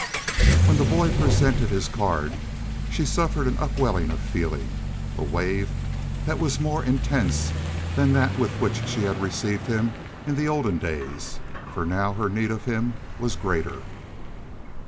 When the boy presented his card she suffered an upwelling of feeling—a wave that was more intense than that with which she had received him in the olden days, for now her need of him was greater.